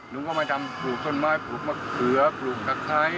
ลุงก็มาทำปลูกต้นไม้ปลูกมะเขือปลูกตะไคร้